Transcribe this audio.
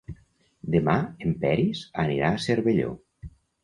Demà en Peris anirà a Cervelló.